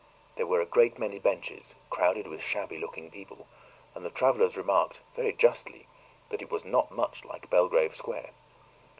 There were a great many benches, crowded with shabby looking people, and the travelers remarked, very justly, that it was not much like Belgrave Square.